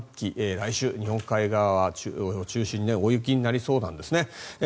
来週日本海側中心に大雪となりそうです。